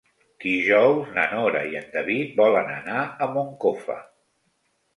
Dijous na Nora i en David volen anar a Moncofa.